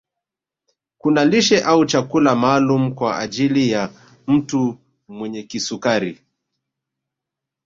Kuna lishe au chakula maalumu kwa ajili ya mtu mwenye kisukari